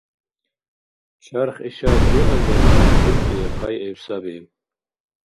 Чарх ишаб биаллира, уркӀи хъайгӀиб саби.